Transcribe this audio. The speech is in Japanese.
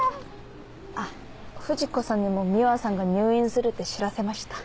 あっ不二子さんにも三和さんが入院するって知らせました。